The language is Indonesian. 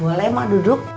boleh emak duduk